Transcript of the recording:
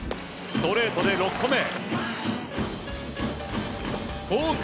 ストレートで８個目。